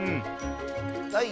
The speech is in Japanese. はい。